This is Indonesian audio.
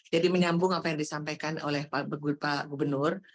jadi menyambung apa yang disampaikan oleh pak gubernur